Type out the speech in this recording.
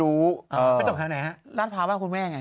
ราดเภาว่างอย่างคุณแม่ไง